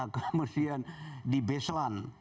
kemudian di beslan